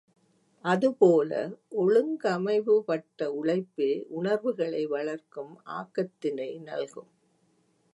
அதுபோல ஒழுங்கமைவுபட்ட உழைப்பே உணர்வுகளை வளர்க்கும் ஆக்கத்தினை நல்கும்.